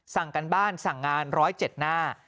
สั่งการบ้านสั่งงาน๑๐๗หน้า